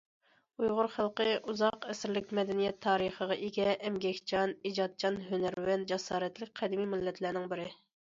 ئۇيغۇر خەلقى ئۇزاق ئەسىرلىك مەدەنىيەت تارىخىغا ئىگە ئەمگەكچان، ئىجادچان، ھۈنەرۋەن، جاسارەتلىك قەدىمىي مىللەتلەرنىڭ بىرى.